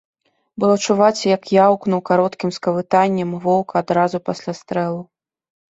Было чуваць, як яўкнуў кароткім скавытаннем воўк адразу пасля стрэлу.